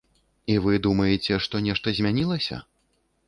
І вы думаеце, што нешта змянілася?